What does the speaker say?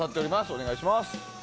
お願いします。